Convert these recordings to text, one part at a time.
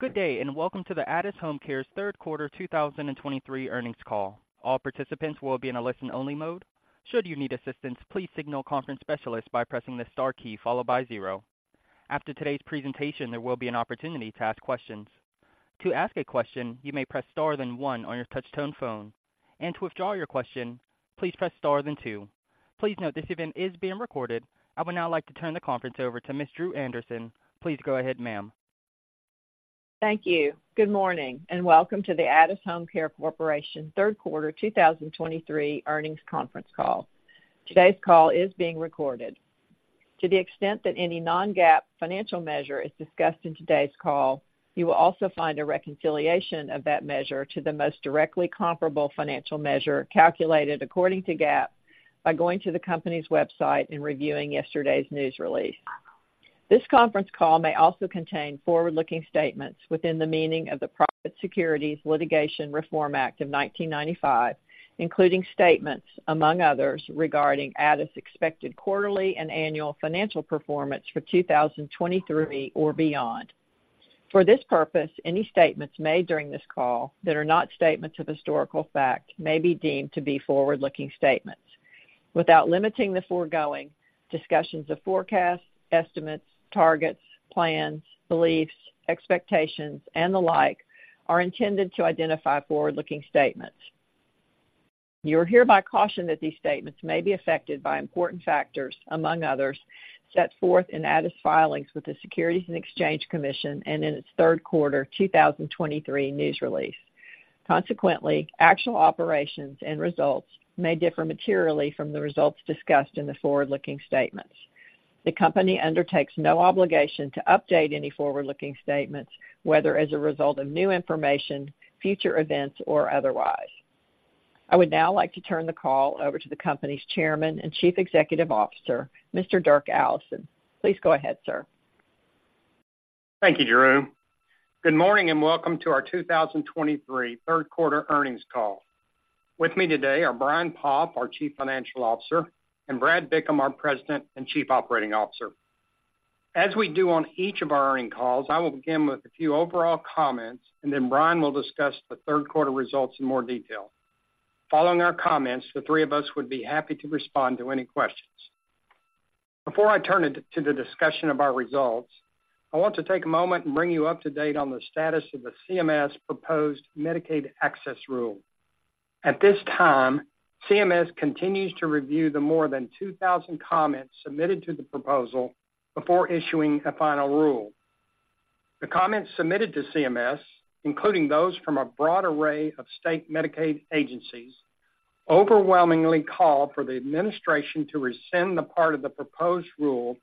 Good day, and welcome to the Addus HomeCare's third quarter 2023 earnings call. All participants will be in a listen-only mode. Should you need assistance, please signal conference specialist by pressing the star key followed by zero. After today's presentation, there will be an opportunity to ask questions. To ask a question, you may press star, then one on your touchtone phone, and to withdraw your question, please press Star then two. Please note this event is being recorded. I would now like to turn the conference over to Ms. Dru Anderson. Please go ahead, ma'am. Thank you. Good morning, and welcome to the Addus HomeCare Corporation third quarter 2023 earnings conference call. Today's call is being recorded. To the extent that any non-GAAP financial measure is discussed in today's call, you will also find a reconciliation of that measure to the most directly comparable financial measure, calculated according to GAAP, by going to the company's website and reviewing yesterday's news release. This conference call may also contain forward-looking statements within the meaning of the Private Securities Litigation Reform Act of 1995, including statements, among others, regarding Addus' expected quarterly and annual financial performance for 2023 or beyond. For this purpose, any statements made during this call that are not statements of historical fact may be deemed to be forward-looking statements. Without limiting the foregoing, discussions of forecasts, estimates, targets, plans, beliefs, expectations, and the like are intended to identify forward-looking statements. You are hereby cautioned that these statements may be affected by important factors, among others, set forth in Addus' filings with the Securities and Exchange Commission and in its third quarter 2023 news release. Consequently, actual operations and results may differ materially from the results discussed in the forward-looking statements. The company undertakes no obligation to update any forward-looking statements, whether as a result of new information, future events, or otherwise. I would now like to turn the call over to the company's chairman and Chief Executive Officer, Mr. Dirk Allison. Please go ahead, sir. Thank you, Dru. Good morning, and welcome to our 2023 third quarter earnings call. With me today are Brian Poff, our Chief Financial Officer, and Brad Bickham, our President and Chief Operating Officer. As we do on each of our earnings calls, I will begin with a few overall comments, and then Brian will discuss the third quarter results in more detail. Following our comments, the three of us would be happy to respond to any questions. Before I turn it to the discussion of our results, I want to take a moment and bring you up to date on the status of the CMS proposed Medicaid access rule. At this time, CMS continues to review the more than 2,000 comments submitted to the proposal before issuing a final rule. The comments submitted to CMS, including those from a broad array of state Medicaid agencies, overwhelmingly call for the administration to rescind the part of the proposed rule,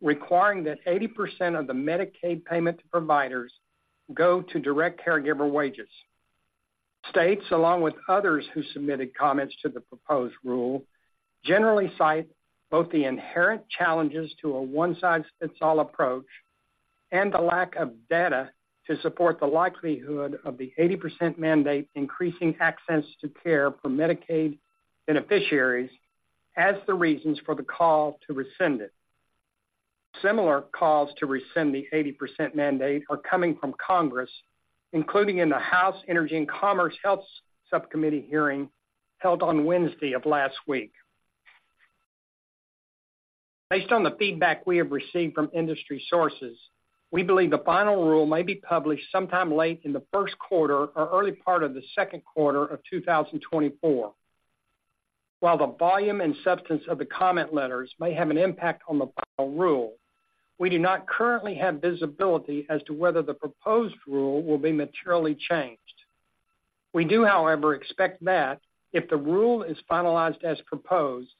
requiring that 80% of the Medicaid payment to providers go to direct caregiver wages. States, along with others who submitted comments to the proposed rule, generally cite both the inherent challenges to a one-size-fits-all approach and the lack of data to support the likelihood of the 80% mandate increasing access to care for Medicaid beneficiaries as the reasons for the call to rescind it. Similar calls to rescind the 80% mandate are coming from Congress, including in the House Energy and Commerce Health Subcommittee hearing held on Wednesday of last week. Based on the feedback we have received from industry sources, we believe the final rule may be published sometime late in the first quarter or early part of the second quarter of 2024. While the volume and substance of the comment letters may have an impact on the final rule, we do not currently have visibility as to whether the proposed rule will be materially changed. We do, however, expect that if the rule is finalized as proposed,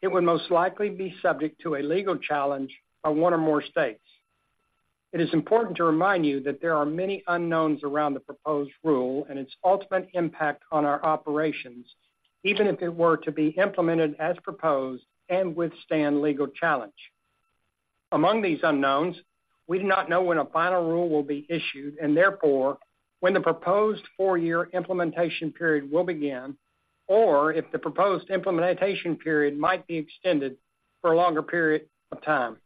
it would most likely be subject to a legal challenge by one or more states. It is important to remind you that there are many unknowns around the proposed rule and its ultimate impact on our operations, even if it were to be implemented as proposed and withstand legal challenge. Among these unknowns, we do not know when a final rule will be issued, and therefore, when the proposed four-year implementation period will begin, or if the proposed implementation period might be extended for a longer period of time.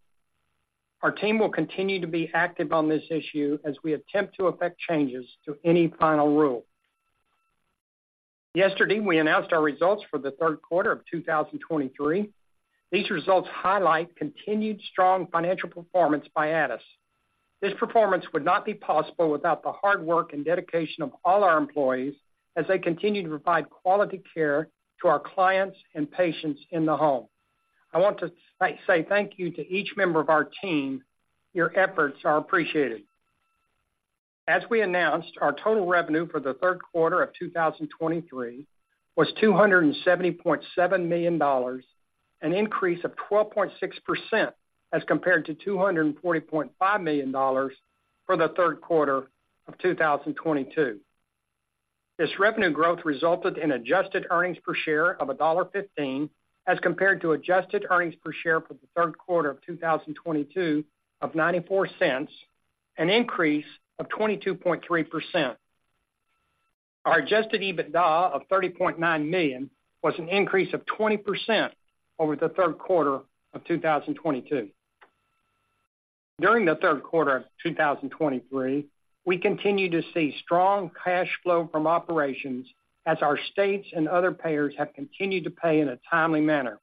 Our team will continue to be active on this issue as we attempt to effect changes to any final rule. Yesterday, we announced our results for the third quarter of 2023. These results highlight continued strong financial performance by Addus. This performance would not be possible without the hard work and dedication of all our employees as they continue to provide quality care to our clients and patients in the home. I want to say thank you to each member of our team. Your efforts are appreciated. As we announced, our total revenue for the third quarter of 2023 was $270.7 million, an increase of 12.6% as compared to $240.5 million for the third quarter of 2022. This revenue growth resulted in adjusted earnings per share of $1.15, as compared to adjusted earnings per share for the third quarter of 2022 of $0.94, an increase of 22.3%. Our Adjusted EBITDA of $30.9 million was an increase of 20% over the third quarter of 2022. During the third quarter of 2023, we continued to see strong cash flow from operations as our states and other payers have continued to pay in a timely manner.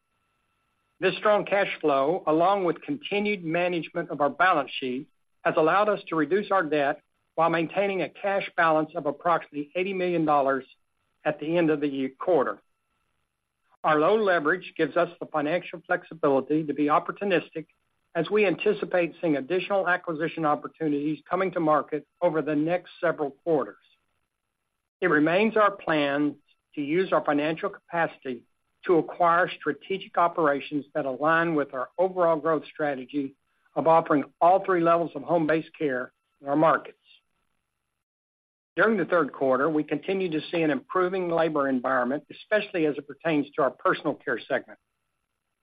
This strong cash flow, along with continued management of our balance sheet, has allowed us to reduce our debt while maintaining a cash balance of approximately $80 million at the end of the quarter. Our low leverage gives us the financial flexibility to be opportunistic as we anticipate seeing additional acquisition opportunities coming to market over the next several quarters. It remains our plan to use our financial capacity to acquire strategic operations that align with our overall growth strategy of offering all three levels of home-based care in our markets. During the third quarter, we continued to see an improving labor environment, especially as it pertains to our personal care segment.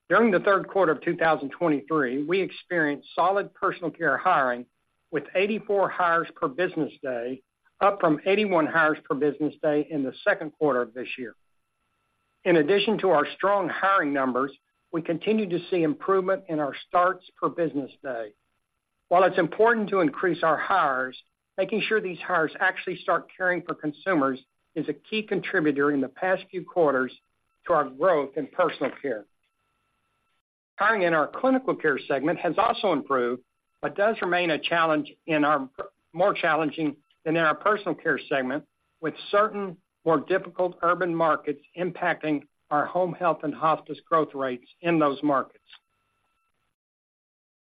During the third quarter of 2023, we experienced solid personal care hiring, with 84 hires per business day, up from 81 hires per business day in the second quarter of this year. In addition to our strong hiring numbers, we continued to see improvement in our starts per business day. While it's important to increase our hires, making sure these hires actually start caring for consumers is a key contributor in the past few quarters to our growth in personal care. Hiring in our clinical care segment has also improved, but does remain a challenge in our more challenging than in our personal care segment, with certain more difficult urban markets impacting our home health and hospice growth rates in those markets.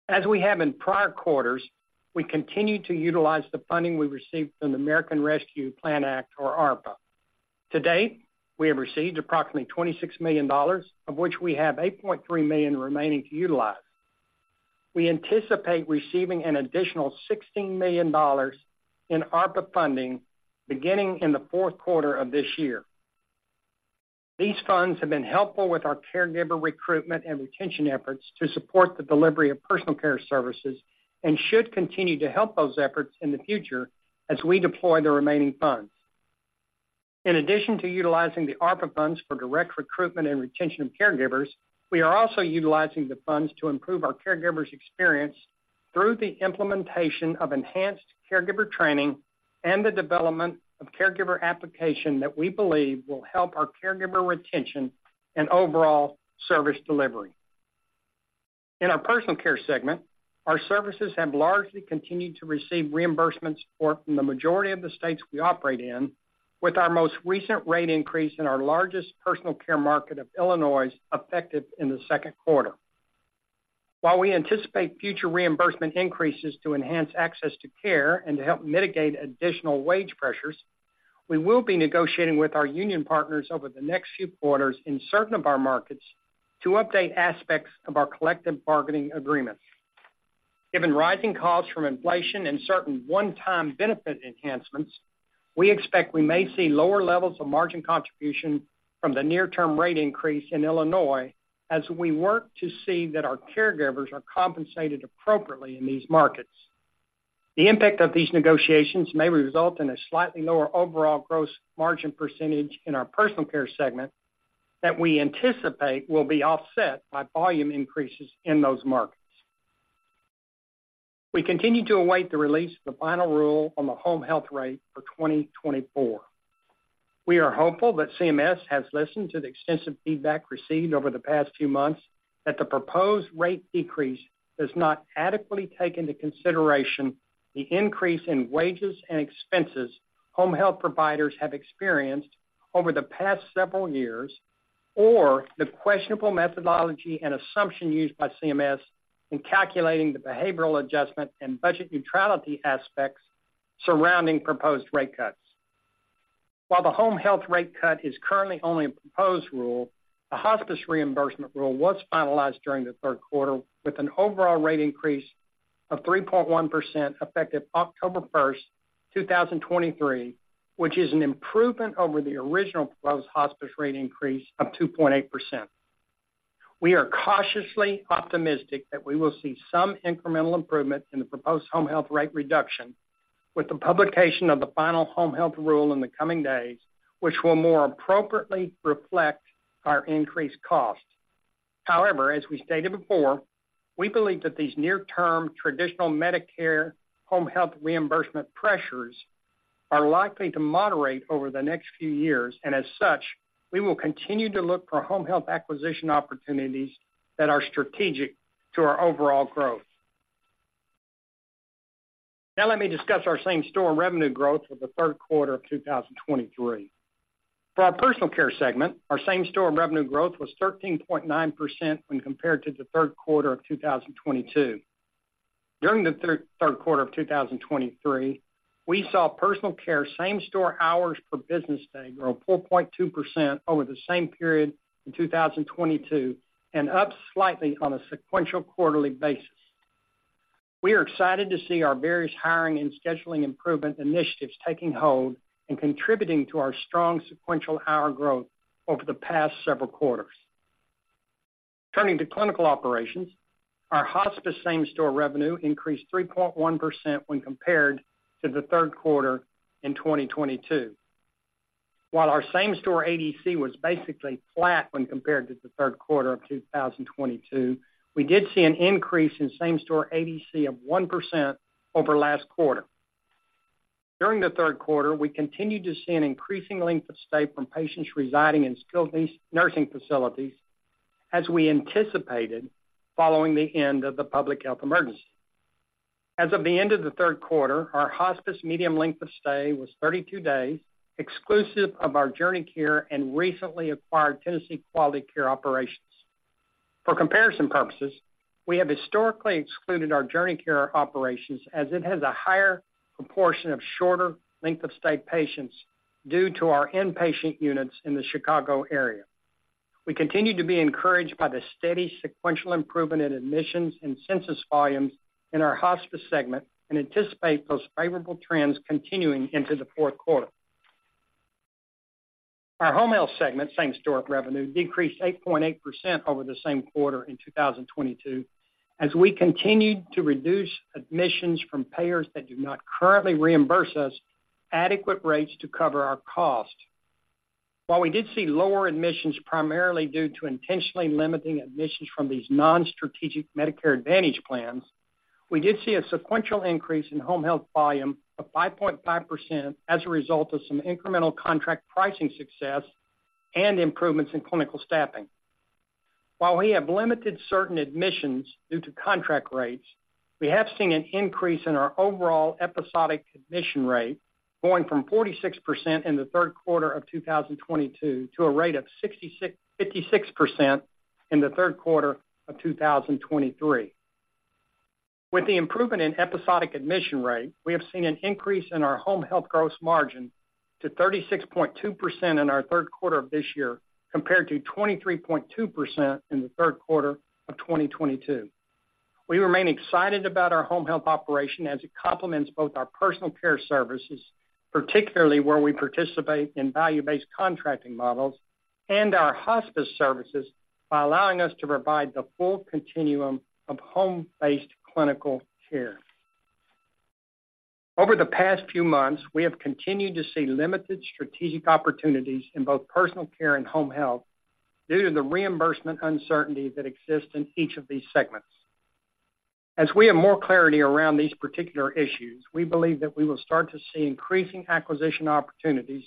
As we have in prior quarters, we continue to utilize the funding we received from the American Rescue Plan Act, or ARPA. To-date, we have received approximately $26 million, of which we have $8.3 million remaining to utilize. We anticipate receiving an additional $16 million in ARPA funding beginning in the fourth quarter of this year. These funds have been helpful with our caregiver recruitment and retention efforts to support the delivery of personal care services and should continue to help those efforts in the future as we deploy the remaining funds. In addition to utilizing the ARPA funds for direct recruitment and retention of caregivers, we are also utilizing the funds to improve our caregivers' experience through the implementation of enhanced caregiver training and the development of caregiver application that we believe will help our caregiver retention and overall service delivery. In our personal care segment, our services have largely continued to receive reimbursement support from the majority of the states we operate in, with our most recent rate increase in our largest personal care market of Illinois, effective in the second quarter. While we anticipate future reimbursement increases to enhance access to care and to help mitigate additional wage pressures, we will be negotiating with our union partners over the next few quarters in certain of our markets to update aspects of our collective bargaining agreements. Given rising costs from inflation and certain one-time benefit enhancements, we expect we may see lower levels of margin contribution from the near-term rate increase in Illinois as we work to see that our caregivers are compensated appropriately in these markets. The impact of these negotiations may result in a slightly lower overall gross margin percentage in our personal care segment that we anticipate will be offset by volume increases in those markets. We continue to await the release of the final rule on the home health rate for 2024. We are hopeful that CMS has listened to the extensive feedback received over the past few months, that the proposed rate decrease does not adequately take into consideration the increase in wages and expenses home health providers have experienced over the past several years, or the questionable methodology and assumption used by CMS in calculating the behavioral adjustment and budget neutrality aspects surrounding proposed rate cuts. While the home health rate cut is currently only a proposed rule, the hospice reimbursement rule was finalized during the third quarter with an overall rate increase of 3.1%, effective October first, 2023, which is an improvement over the original proposed hospice rate increase of 2.8%. We are cautiously optimistic that we will see some incremental improvement in the proposed home health rate reduction with the publication of the final home health rule in the coming days, which will more appropriately reflect our increased costs. However, as we stated before, we believe that these near-term traditional Medicare home health reimbursement pressures are likely to moderate over the next few years, and as such, we will continue to look for home health acquisition opportunities that are strategic to our overall growth. Now let me discuss our same-store revenue growth for the third quarter of 2023. For our personal care segment, our same-store revenue growth was 13.9% when compared to the third quarter of 2022. During the third quarter of 2023, we saw personal care same-store hours per business day grow 4.2% over the same period in 2022, and up slightly on a sequential quarterly basis. We are excited to see our various hiring and scheduling improvement initiatives taking hold and contributing to our strong sequential hour growth over the past several quarters... Turning to clinical operations, our hospice same-store revenue increased 3.1% when compared to the third quarter in 2022. While our same-store ADC was basically flat when compared to the third quarter of 2022, we did see an increase in same-store ADC of 1% over last quarter. During the third quarter, we continued to see an increasing length of stay from patients residing in skilled nursing facilities, as we anticipated following the end of the public health emergency. As of the end of the third quarter, our hospice median length of stay was 32 days, exclusive of our JourneyCare and recently acquired Tennessee Quality Care operations. For comparison purposes, we have historically excluded our JourneyCare operations as it has a higher proportion of shorter length of stay patients due to our inpatient units in the Chicago area. We continue to be encouraged by the steady sequential improvement in admissions and census volumes in our hospice segment and anticipate those favorable trends continuing into the fourth quarter. Our home health segment, same-store revenue, decreased 8.8% over the same quarter in 2022, as we continued to reduce admissions from payers that do not currently reimburse us adequate rates to cover our costs. While we did see lower admissions, primarily due to intentionally limiting admissions from these non-strategic Medicare Advantage plans, we did see a sequential increase in home health volume of 5.5% as a result of some incremental contract pricing success and improvements in clinical staffing. While we have limited certain admissions due to contract rates, we have seen an increase in our overall episodic admission rate, going from 46% in the third quarter of 2022 to a rate of 66.56% in the third quarter of 2023. With the improvement in episodic admission rate, we have seen an increase in our home health gross margin to 36.2% in our third quarter of this year, compared to 23.2% in the third quarter of 2022. We remain excited about our home health operation as it complements both our personal care services, particularly where we participate in value-based contracting models and our hospice services, by allowing us to provide the full continuum of home-based clinical care. Over the past few months, we have continued to see limited strategic opportunities in both personal care and home health due to the reimbursement uncertainty that exists in each of these segments. As we have more clarity around these particular issues, we believe that we will start to see increasing acquisition opportunities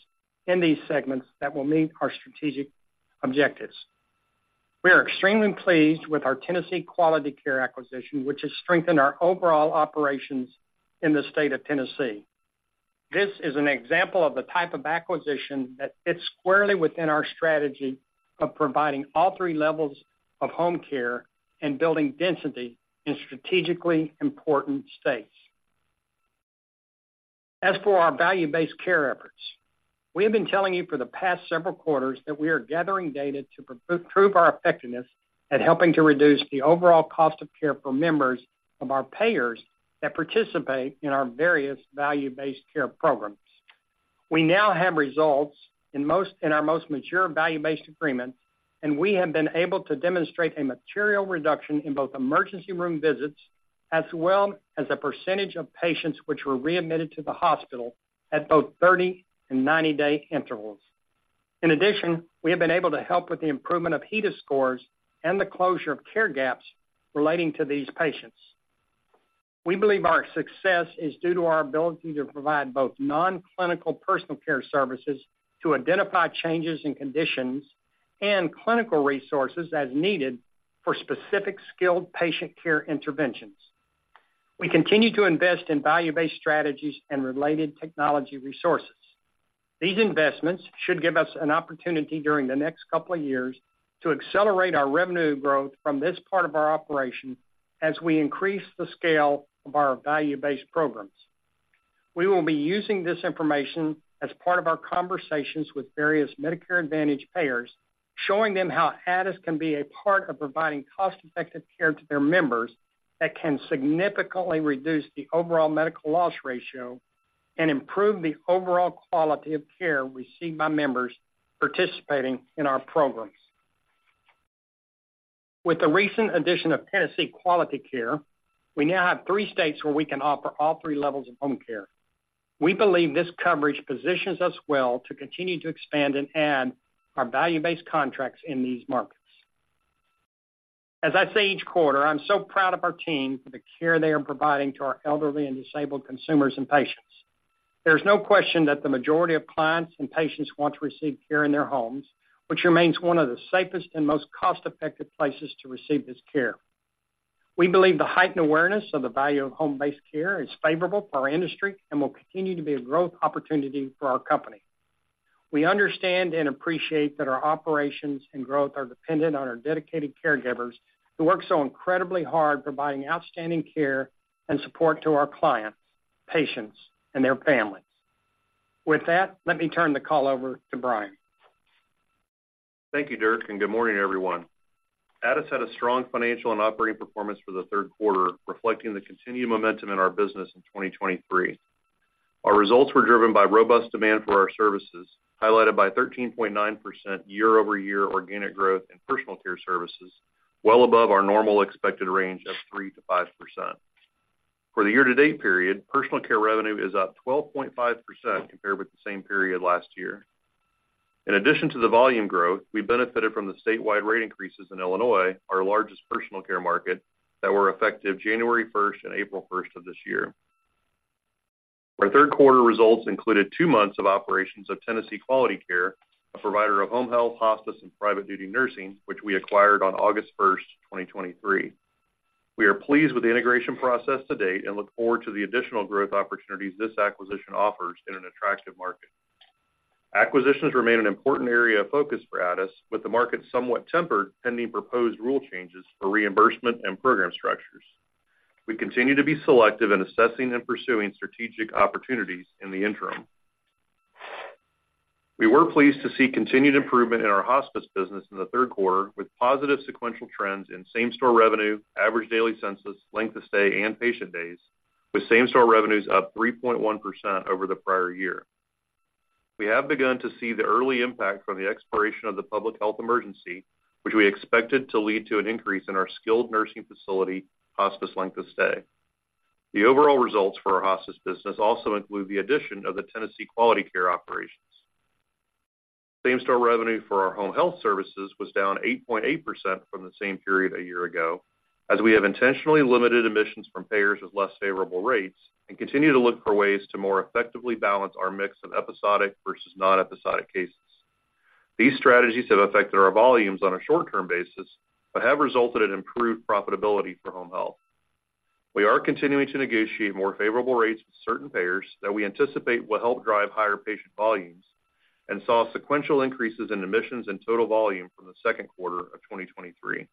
in these segments that will meet our strategic objectives. We are extremely pleased with our Tennessee Quality Care acquisition, which has strengthened our overall operations in the state of Tennessee. This is an example of the type of acquisition that fits squarely within our strategy of providing all three levels of home care and building density in strategically important states. As for our value-based care efforts, we have been telling you for the past several quarters that we are gathering data to prove our effectiveness at helping to reduce the overall cost of care for members of our payers that participate in our various value-based care programs. We now have results in our most mature value-based agreements, and we have been able to demonstrate a material reduction in both emergency room visits, as well as the percentage of patients which were readmitted to the hospital at both 30 and 90-day intervals. In addition, we have been able to help with the improvement of HEDIS scores and the closure of care gaps relating to these patients. We believe our success is due to our ability to provide both non-clinical personal care services to identify changes in conditions and clinical resources as needed for specific skilled patient care interventions. We continue to invest in value-based strategies and related technology resources. These investments should give us an opportunity during the next couple of years to accelerate our revenue growth from this part of our operation as we increase the scale of our value-based programs. We will be using this information as part of our conversations with various Medicare Advantage payers, showing them how Addus can be a part of providing cost-effective care to their members that can significantly reduce the overall medical loss ratio and improve the overall quality of care received by members participating in our programs. With the recent addition of Tennessee Quality Care, we now have three states where we can offer all three levels of home care. We believe this coverage positions us well to continue to expand and add our value-based contracts in these markets. As I say each quarter, I'm so proud of our team for the care they are providing to our elderly and disabled consumers and patients. There's no question that the majority of clients and patients want to receive care in their homes, which remains one of the safest and most cost-effective places to receive this care. We believe the heightened awareness of the value of home-based care is favorable for our industry and will continue to be a growth opportunity for our company. We understand and appreciate that our operations and growth are dependent on our dedicated caregivers, who work so incredibly hard providing outstanding care and support to our clients, patients, and their families. With that, let me turn the call over to Brian. Thank you, Dirk, and good morning, everyone. Addus had a strong financial and operating performance for the third quarter, reflecting the continued momentum in our business in 2023. Our results were driven by robust demand for our services, highlighted by 13.9% year-over-year organic growth in personal care services, well above our normal expected range of 3%-5%. For the year-to-date period, personal care revenue is up 12.5% compared with the same period last year. In addition to the volume growth, we benefited from the statewide rate increases in Illinois, our largest personal care market, that were effective January 1 and April 1 of this year. Our third quarter results included two months of operations of Tennessee Quality Care, a provider of home health, hospice, and private duty nursing, which we acquired on August 1, 2023. We are pleased with the integration process to date and look forward to the additional growth opportunities this acquisition offers in an attractive market. Acquisitions remain an important area of focus for Addus, with the market somewhat tempered, pending proposed rule changes for reimbursement and program structures. We continue to be selective in assessing and pursuing strategic opportunities in the interim. We were pleased to see continued improvement in our hospice business in the third quarter, with positive sequential trends in same-store revenue, average daily census, length of stay, and patient days, with same-store revenues up 3.1% over the prior year. We have begun to see the early impact from the expiration of the public health emergency, which we expected to lead to an increase in our skilled nursing facility, hospice length of stay. The overall results for our hospice business also include the addition of the Tennessee Quality Care operations. Same-store revenue for our home health services was down 8.8% from the same period a year-ago, as we have intentionally limited admissions from payers with less favorable rates and continue to look for ways to more effectively balance our mix of episodic versus non-episodic cases. These strategies have affected our volumes on a short-term basis, but have resulted in improved profitability for home health. We are continuing to negotiate more favorable rates with certain payers that we anticipate will help drive higher patient volumes and saw sequential increases in admissions and total volume from the second quarter of 2023.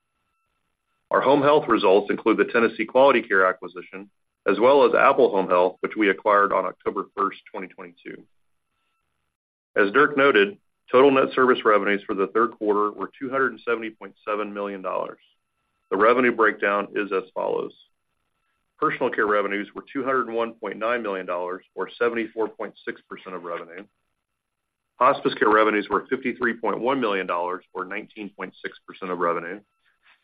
Our home health results include the Tennessee Quality Care acquisition, as well as Apple Home Health, which we acquired on October 1, 2022. As Dirk noted, total net service revenues for the third quarter were $270.7 million. The revenue breakdown is as follows: Personal care revenues were $201.9 million, or 74.6% of revenue. Hospice care revenues were $53.1 million, or 19.6% of revenue,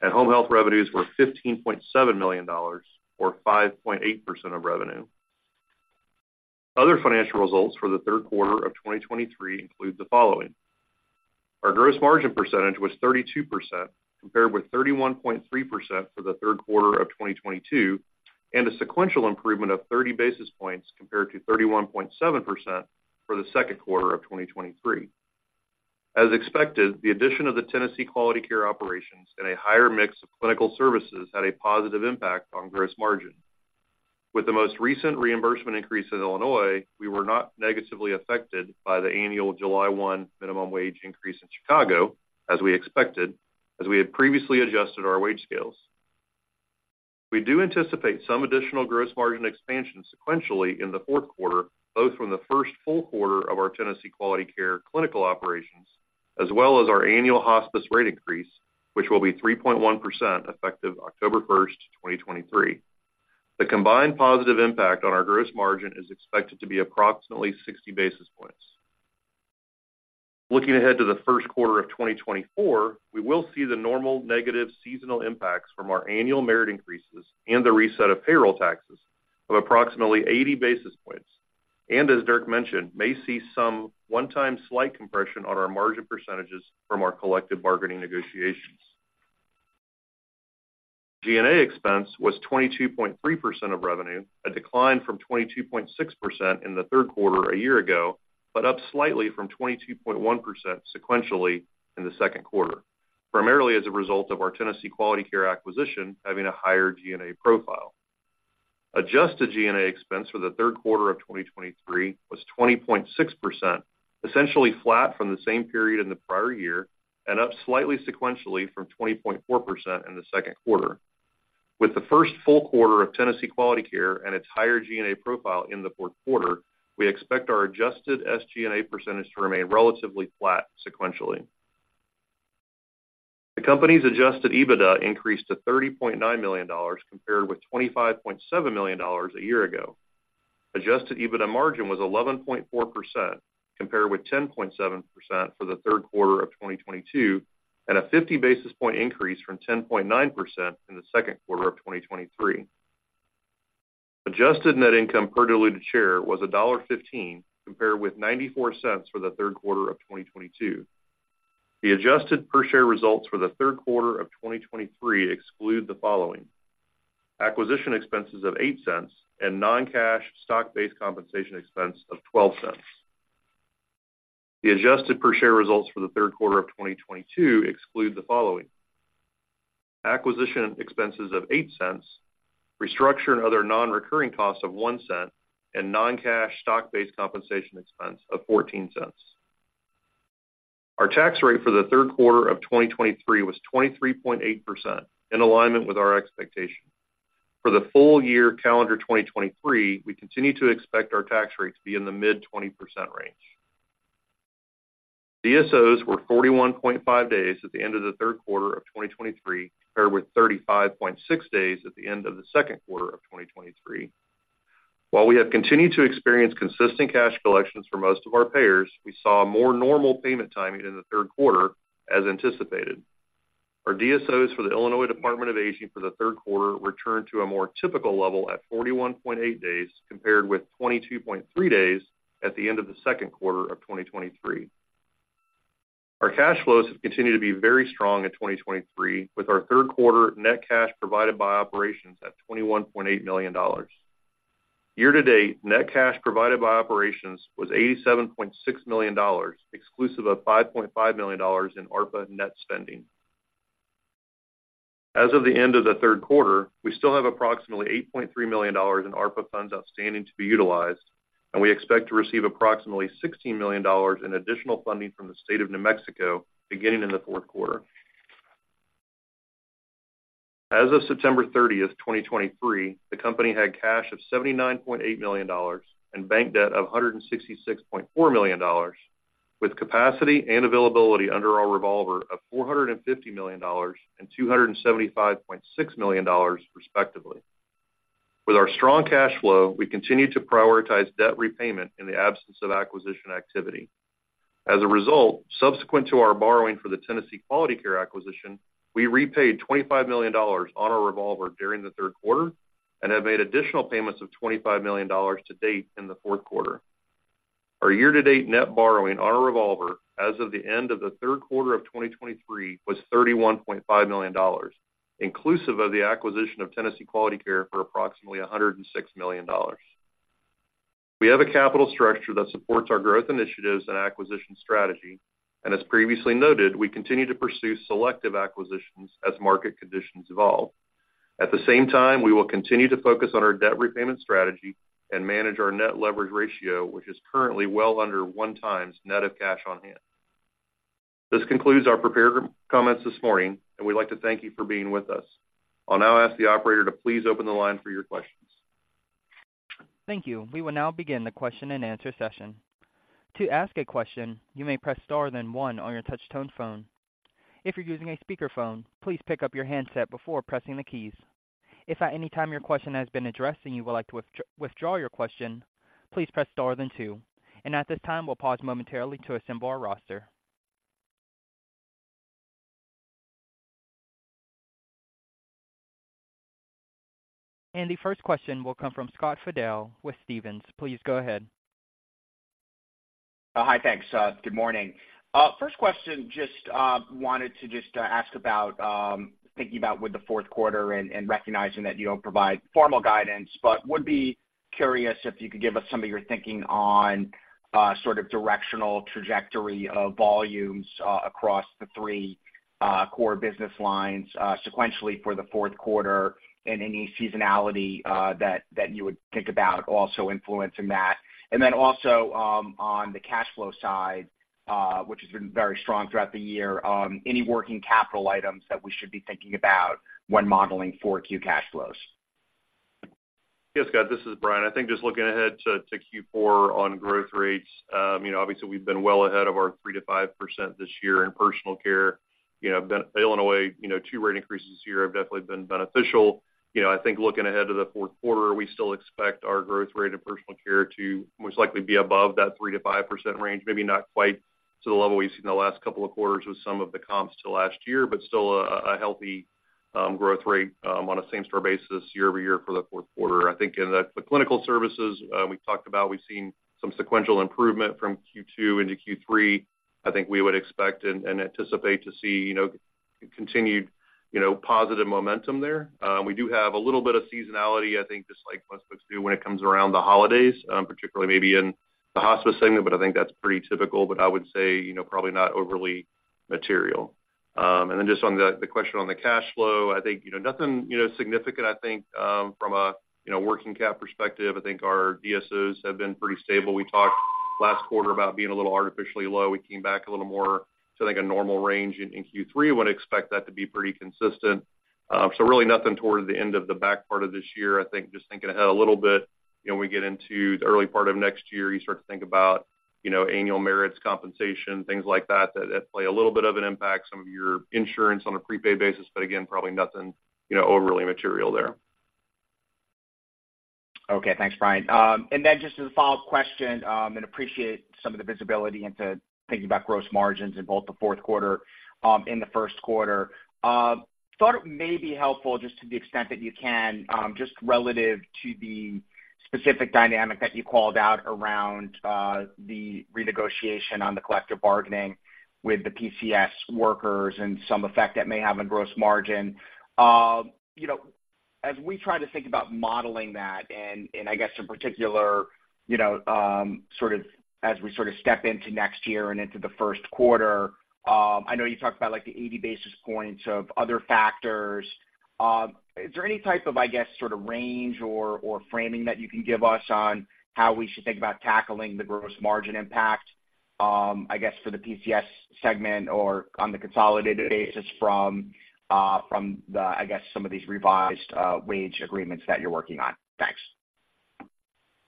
and home health revenues were $15.7 million, or 5.8% of revenue. Other financial results for the third quarter of 2023 include the following: Our gross margin percentage was 32%, compared with 31.3% for the third quarter of 2022, and a sequential improvement of 30 basis points compared to 31.7% for the second quarter of 2023. As expected, the addition of the Tennessee Quality Care operations and a higher mix of clinical services had a positive impact on gross margin. With the most recent reimbursement increase in Illinois, we were not negatively affected by the annual July 1 minimum wage increase in Chicago, as we expected, as we had previously adjusted our wage scales. We do anticipate some additional gross margin expansion sequentially in the fourth quarter, both from the first full quarter of our Tennessee Quality Care clinical operations, as well as our annual hospice rate increase, which will be 3.1%, effective October 1, 2023. The combined positive impact on our gross margin is expected to be approximately 60 basis points. Looking ahead to the first quarter of 2024, we will see the normal negative seasonal impacts from our annual merit increases and the reset of payroll taxes of approximately 80 basis points, and as Dirk mentioned, may see some one-time slight compression on our margin percentages from our collective bargaining negotiations. G&A expense was 22.3% of revenue, a decline from 22.6% in the third quarter a year-ago, but up slightly from 22.1% sequentially in the second quarter, primarily as a result of our Tennessee Quality Care acquisition having a higher G&A profile. Adjusted G&A expense for the third quarter of 2023 was 20.6%, essentially flat from the same period in the prior year and up slightly sequentially from 20.4% in the second quarter. With the first full quarter of Tennessee Quality Care and its higher G&A profile in the fourth quarter, we expect our Adjusted SG&A percentage to remain relatively flat sequentially. The company's Adjusted EBITDA increased to $30.9 million, compared with $25.7 million a year-ago. Adjusted EBITDA margin was 11.4%, compared with 10.7% for the third quarter of 2022, and a 50 basis point increase from 10.9% in the second quarter of 2023. Adjusted net income per diluted share was $1.15, compared with $0.94 for the third quarter of 2022. The adjusted per share results for the third quarter of 2023 exclude the following: acquisition expenses of $0.08 and non-cash stock-based compensation expense of $0.12. The adjusted per share results for the third quarter of 2022 exclude the following: acquisition expenses of $0.08, restructure and other non-recurring costs of $0.01, and non-cash stock-based compensation expense of $0.14. Our tax rate for the third quarter of 2023 was 23.8%, in alignment with our expectation. For the full-year calendar 2023, we continue to expect our tax rate to be in the mid-20% range. DSOs were 41.5 days at the end of the third quarter of 2023, compared with 35.6 days at the end of the second quarter of 2023. While we have continued to experience consistent cash collections for most of our payers, we saw a more normal payment timing in the third quarter, as anticipated. Our DSOs for the Illinois Department of Aging for the third quarter returned to a more typical level at 41.8 days, compared with 22.3 days at the end of the second quarter of 2023. Our cash flows have continued to be very strong in 2023, with our third quarter net cash provided by operations at $21.8 million. Year-to-date, net cash provided by operations was $87.6 million, exclusive of $5.5 million in ARPA net spending. As of the end of the third quarter, we still have approximately $8.3 million in ARPA funds outstanding to be utilized, and we expect to receive approximately $16 million in additional funding from the state of New Mexico beginning in the fourth quarter. As of September 30, 2023, the company had cash of $79.8 million and bank debt of $166.4 million, with capacity and availability under our revolver of $450 million and $275.6 million, respectively. With our strong cash flow, we continue to prioritize debt repayment in the absence of acquisition activity. As a result, subsequent to our borrowing for the Tennessee Quality Care acquisition, we repaid $25 million on our revolver during the third quarter and have made additional payments of $25 million to date in the fourth quarter. Our year-to-date net borrowing on our revolver as of the end of the third quarter of 2023 was $31.5 million, inclusive of the acquisition of Tennessee Quality Care for approximately $106 million. We have a capital structure that supports our growth initiatives and acquisition strategy, and as previously noted, we continue to pursue selective acquisitions as market conditions evolve. At the same time, we will continue to focus on our debt repayment strategy and manage our net leverage ratio, which is currently well under 1x net of cash on hand. This concludes our prepared comments this morning, and we'd like to thank you for being with us. I'll now ask the operator to please open the line for your questions. Thank you. We will now begin the question-and-answer session. To ask a question, you may press star then one on your touch tone phone. If you're using a speakerphone, please pick up your handset before pressing the keys. If at any time your question has been addressed and you would like to withdraw your question, please press star then two. At this time, we'll pause momentarily to assemble our roster. The first question will come from Scott Fidel with Stephens. Please go ahead. Hi, thanks. Good morning. First question, just wanted to just ask about thinking about with the fourth quarter and recognizing that you don't provide formal guidance, but would be curious if you could give us some of your thinking on sort of directional trajectory of volumes across the three core business lines sequentially for the fourth quarter and any seasonality that you would think about also influencing that. And then also, on the cash flow side, which has been very strong throughout the year, any working capital items that we should be thinking about when modeling for Q cash flows? Yes, Scott, this is Brian. I think just looking ahead to Q4 on growth rates, you know, obviously we've been well ahead of our 3%-5% this year in personal care. You know, Illinois, you know, two rate increases this year have definitely been beneficial. You know, I think looking ahead to the fourth quarter, we still expect our growth rate in personal care to most likely be above that 3%-5% range, maybe not quite to the level we've seen in the last couple of quarters with some of the comps to last year, but still a healthy growth rate on a same store basis, year-over-year for the fourth quarter. I think in the clinical services, we've talked about, we've seen some sequential improvement from Q2 into Q3. I think we would expect and anticipate to see, you know, continued, you know, positive momentum there. We do have a little bit of seasonality, I think, just like most folks do when it comes around the holidays, particularly maybe in the hospice segment, but I think that's pretty typical, but I would say, you know, probably not overly material. And then just on the question on the cash flow, I think, you know, nothing, you know, significant, I think, from a, you know, working cap perspective, I think our DSOs have been pretty stable. We talked last quarter about being a little artificially low. We came back a little more to, I think, a normal range in Q3. I would expect that to be pretty consistent. So really nothing toward the end of the back part of this year. I think just thinking ahead a little bit, you know, when we get into the early part of next year, you start to think about, you know, annual merits, compensation, things like that, that, that play a little bit of an impact, some of your insurance on a prepaid basis, but again, probably nothing, you know, overly material there. Okay. Thanks, Brian. And then just as a follow-up question, and appreciate some of the visibility into thinking about gross margins in both the fourth quarter, in the first quarter. Thought it may be helpful just to the extent that you can, just relative to the specific dynamic that you called out around, the renegotiation on the collective bargaining with the PCS workers and some effect that may have on gross margin. You know, as we try to think about modeling that, and, and I guess in particular, you know, sort of as we sort of step into next year and into the first quarter, I know you talked about, like, the 80 basis points of other factors. Is there any type of, I guess, sort of range or framing that you can give us on how we should think about tackling the gross margin impact, I guess, for the PCS segment or on the consolidated basis from some of these revised wage agreements that you're working on? Thanks.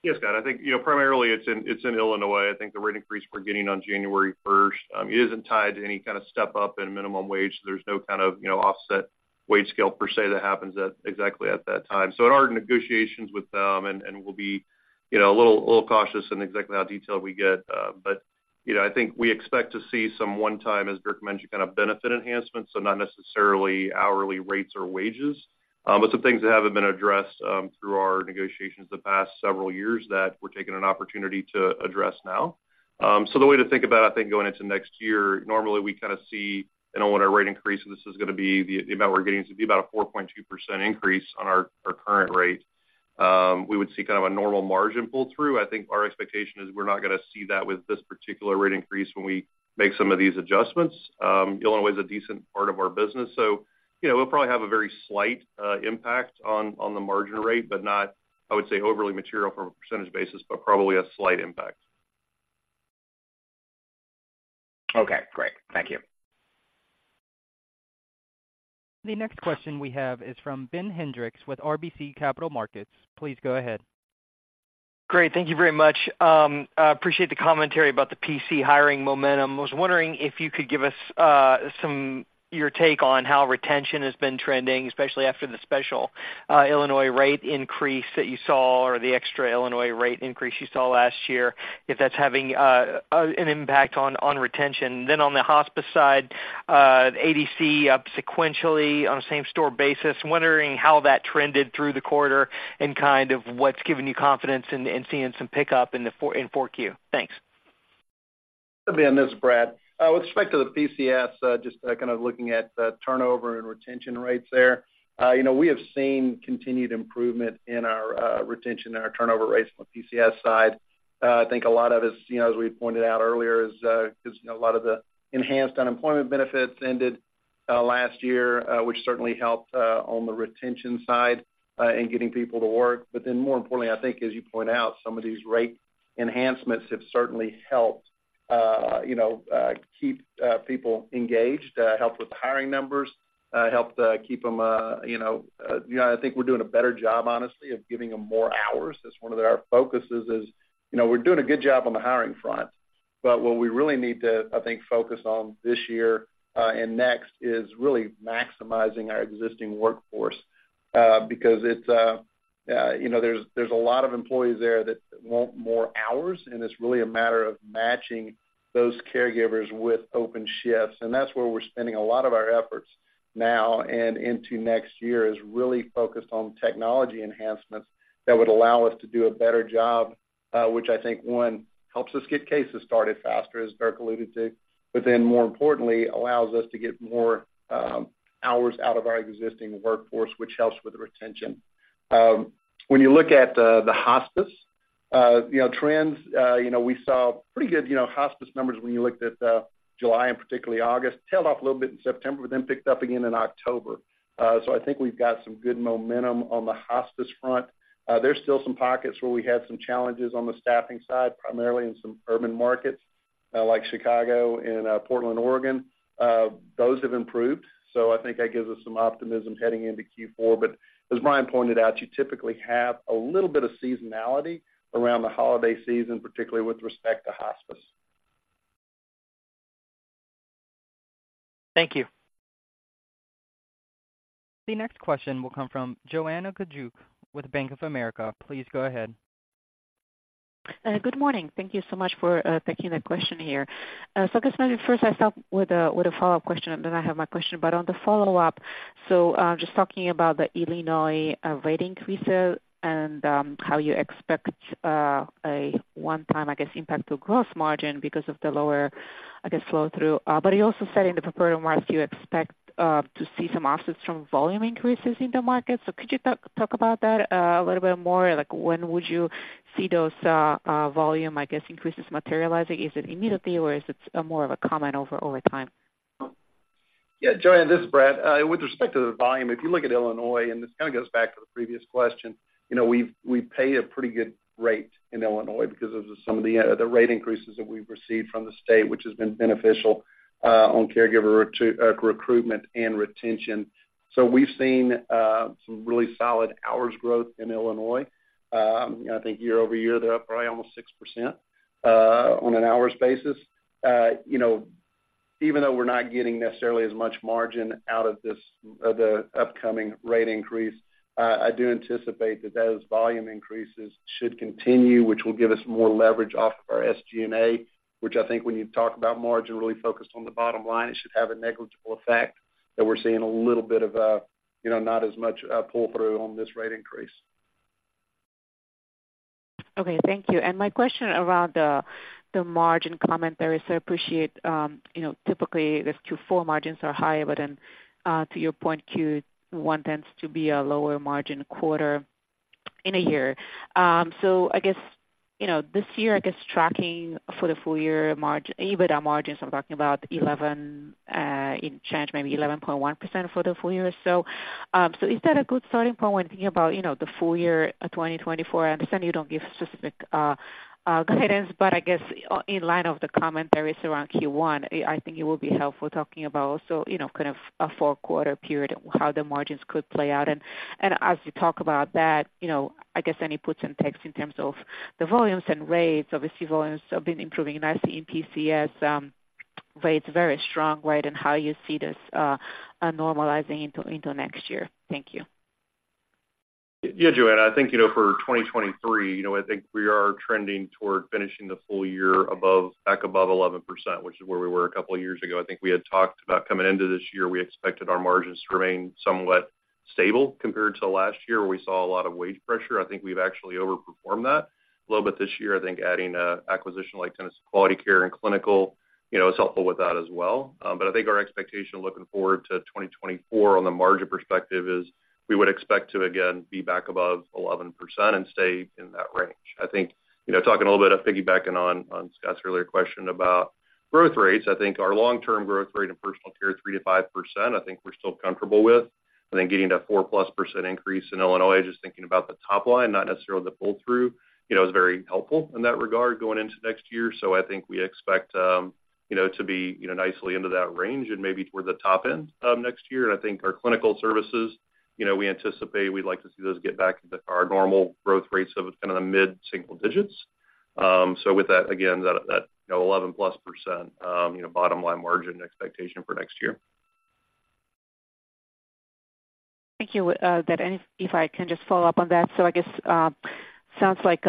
Yes, Scott, I think, you know, primarily it's in Illinois. I think the rate increase we're getting on January first, it isn't tied to any kind of step up in minimum wage. There's no kind of, you know, offset wage scale per se, that happens at exactly that time. So in our negotiations with them, and we'll be, you know, a little cautious in exactly how detailed we get. But, you know, I think we expect to see some one-time, as Dirk mentioned, kind of benefit enhancements, so not necessarily hourly rates or wages. But some things that haven't been addressed through our negotiations the past several years that we're taking an opportunity to address now. So the way to think about, I think, going into next year, normally we kind of see, you know, when our rate increase, and this is gonna be the amount we're getting to be about a 4.2% increase on our current rate. We would see kind of a normal margin pull-through. I think our expectation is we're not gonna see that with this particular rate increase when we make some of these adjustments. Illinois is a decent part of our business, so, you know, we'll probably have a very slight impact on the margin rate, but not, I would say, overly material from a percentage basis, but probably a slight impact. Okay, great. Thank you. The next question we have is from Ben Hendrix with RBC Capital Markets. Please go ahead. Great. Thank you very much. I appreciate the commentary about the PC hiring momentum. Was wondering if you could give us your take on how retention has been trending, especially after the special Illinois rate increase that you saw, or the extra Illinois rate increase you saw last year, if that's having an impact on retention. Then on the hospice side, ADC up sequentially on a same store basis. Wondering how that trended through the quarter and kind of what's giving you confidence in seeing some pickup in 4Q. Thanks. Hi, Ben, this is Brad. With respect to the PCS, just kind of looking at the turnover and retention rates there. You know, we have seen continued improvement in our retention and our turnover rates on the PCS side. I think a lot of it is, you know, as we pointed out earlier, a lot of the enhanced unemployment benefits ended last year, which certainly helped on the retention side in getting people to work. But then, more importantly, I think as you point out, some of these rate enhancements have certainly helped, you know, keep people engaged, helped with the hiring numbers, helped keep them, you know. You know, I think we're doing a better job, honestly, of giving them more hours. That's one of our focuses is, you know, we're doing a good job on the hiring front, but what we really need to, I think, focus on this year, and next, is really maximizing our existing workforce, because it's, you know, there's a lot of employees there that want more hours, and it's really a matter of matching those caregivers with open shifts. And that's where we're spending a lot of our efforts now and into next year, is really focused on technology enhancements that would allow us to do a better job, which I think, one, helps us get cases started faster, as Dirk alluded to, but then more importantly, allows us to get more hours out of our existing workforce, which helps with the retention. When you look at the hospice, you know, trends, you know, we saw pretty good, you know, hospice numbers when you looked at July and particularly August. Tailed off a little bit in September, but then picked up again in October. So I think we've got some good momentum on the hospice front. There's still some pockets where we had some challenges on the staffing side, primarily in some urban markets like Chicago and Portland, Oregon. Those have improved, so I think that gives us some optimism heading into Q4. But as Ryan pointed out, you typically have a little bit of seasonality around the holiday season, particularly with respect to hospice. Thank you. The next question will come from Joanna Gajuk with Bank of America. Please go ahead. Good morning. Thank you so much for taking the question here. So I guess maybe first I'll start with a follow-up question, and then I have my question. But on the follow-up, so just talking about the Illinois rate increases and how you expect a one-time impact to gross margin because of the lower flow through. But you also said in the prepared remarks you expect to see some offsets from volume increases in the market. So could you talk about that a little bit more? Like, when would you see those volume increases materializing? Is it immediately or is it more of a come in over time? Yeah, Joanna, this is Brad. With respect to the volume, if you look at Illinois, and this kind of goes back to the previous question, you know, we pay a pretty good rate in Illinois because of some of the rate increases that we've received from the state, which has been beneficial on caregiver to recruitment and retention. So we've seen some really solid hours growth in Illinois. I think year-over-year, they're up probably almost 6% on an hours basis. You know, even though we're not getting necessarily as much margin out of this, of the upcoming rate increase, I do anticipate that those volume increases should continue, which will give us more leverage off of our SG&A, which I think when you talk about margin, really focused on the bottom line, it should have a negligible effect, that we're seeing a little bit of, you know, not as much pull-through on this rate increase. Okay, thank you. My question around the margin commentary. I appreciate, you know, typically, the Q4 margins are higher, but then, to your point, Q1 tends to be a lower margin quarter in a year. So I guess, you know, this year, I guess tracking for the full year margin—EBITDA margins, I'm talking about 11%, in change, maybe 11.1% for the full year. So is that a good starting point when thinking about, you know, the full year, 2024? I understand you don't give specific guidance, but I guess in line of the commentary around Q1, I think it will be helpful talking about also, you know, kind of a four-quarter period, how the margins could play out. And as you talk about that, you know, I guess any puts and takes in terms of the volumes and rates. Obviously, volumes have been improving in HC and PCS. Rates very strong, right? And how you see this normalizing into next year. Thank you. Yeah, Joanna, I think, you know, for 2023, you know, I think we are trending toward finishing the full year above, back above 11%, which is where we were a couple of years ago. I think we had talked about coming into this year, we expected our margins to remain somewhat stable compared to last year, where we saw a lot of wage pressure. I think we've actually overperformed that a little bit this year. I think adding a acquisition like Tennessee Quality Care and Clinical, you know, is helpful with that as well. But I think our expectation looking forward to 2024 on the margin perspective is we would expect to again, be back above 11% and stay in that range. I think, you know, talking a little bit of piggybacking on, on Scott's earlier question about growth rates. I think our long-term growth rate in personal care, 3%-5%, I think we're still comfortable with. I think getting that 4%+ increase in Illinois, just thinking about the top line, not necessarily the pull through, you know, is very helpful in that regard going into next year. So I think we expect, you know, to be, you know, nicely into that range and maybe toward the top end, next year. And I think our clinical services, you know, we anticipate we'd like to see those get back to our normal growth rates of kind of the mid-single digits. So with that, again, that 11%+, you know, bottom line margin expectation for next year. Thank you, that and if I can just follow up on that. So I guess sounds like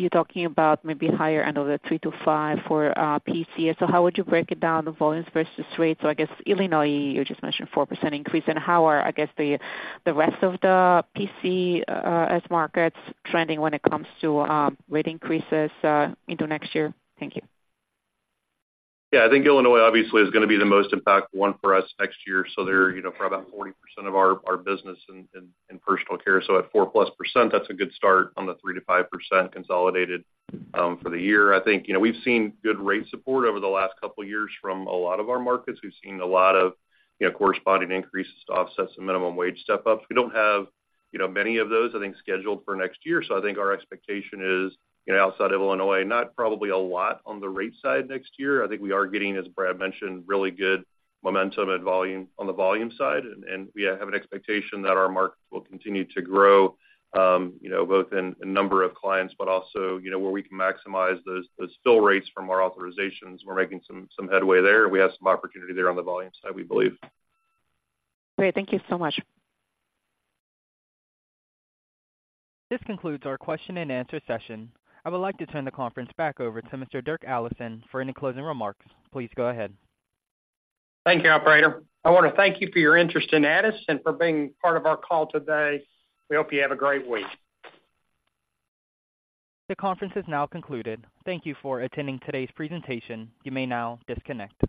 you're talking about maybe higher end of the 3%-5% for PCS. So how would you break it down, the volumes versus rates? So I guess Illinois, you just mentioned 4% increase. And how are, I guess, the rest of the PCS markets trending when it comes to rate increases into next year? Thank you. Yeah, I think Illinois obviously is gonna be the most impactful one for us next year. So they're, you know, for about 40% of our business in personal care. So at 4%+, that's a good start on the 3%-5% consolidated for the year. I think, you know, we've seen good rate support over the last couple of years from a lot of our markets. We've seen a lot of, you know, corresponding increases to offset some minimum wage step ups. We don't have, you know, many of those, I think, scheduled for next year. So I think our expectation is, you know, outside of Illinois, not probably a lot on the rate side next year. I think we are getting, as Brad mentioned, really good momentum and volume on the volume side, and we have an expectation that our markets will continue to grow, you know, both in the number of clients, but also, you know, where we can maximize those fill rates from our authorizations. We're making some headway there, and we have some opportunity there on the volume side, we believe. Great. Thank you so much. This concludes our question and answer session. I would like to turn the conference back over to Mr. Dirk Allison for any closing remarks. Please go ahead. Thank you, operator. I want to thank you for your interest in Addus and for being part of our call today. We hope you have a great week. The conference is now concluded. Thank you for attending today's presentation. You may now disconnect.